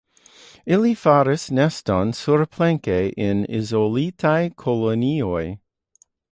Ili faras neston surplanke en izolitaj kolonioj.